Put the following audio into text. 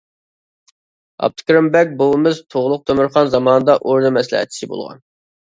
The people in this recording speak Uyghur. ئابدۇكېرىم بەگ بوۋىمىز تۇغلۇق تۆمۈرخان زامانىدا ئوردا مەسلىھەتچىسى بولغان.